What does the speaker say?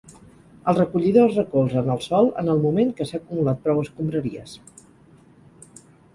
El recollidor es recolza en el sòl en el moment que s'ha acumulat prou escombraries.